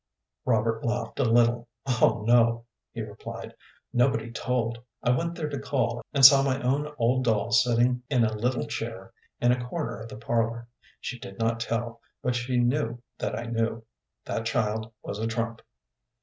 Robert laughed a little. "Oh no," he replied. "Nobody told. I went there to call, and saw my own old doll sitting in a little chair in a corner of the parlor. She did not tell, but she knew that I knew. That child was a trump."